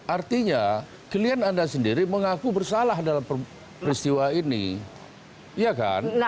artinya klien anda sendiri mengaku bersalah dalam peristiwa ini ya kan